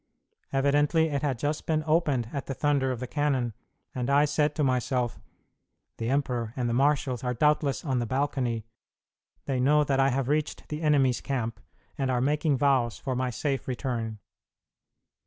Evidently, it had just been opened at the thunder of the cannon, and I said to myself, "The emperor and the marshals are doubtless on the balcony; they know that I have reached the enemy's camp, and are making vows for my safe return."